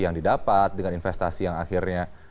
yang didapat dengan investasi yang akhirnya